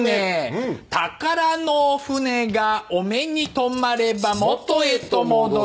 「宝の船がお目に止まれば元へと戻す」